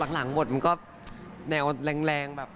หลังหมดมันก็แนวแรงแบบ